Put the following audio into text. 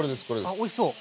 あっおいしそう！